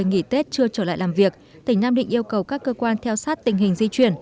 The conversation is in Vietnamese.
nghỉ tết chưa trở lại làm việc tỉnh nam định yêu cầu các cơ quan theo sát tình hình di chuyển